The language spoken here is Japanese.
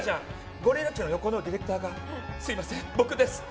ゴリエたちの横のディレクターがすみません、僕ですって。